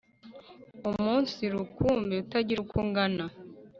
Umunsi rukumbi utagira uko ungana